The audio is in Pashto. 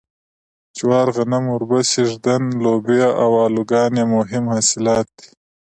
جوار غنم اوربشې ږدن لوبیا او الوګان یې مهم حاصلات دي.